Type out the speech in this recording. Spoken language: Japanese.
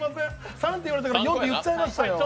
３って言われたから４って言っちゃいましたよ。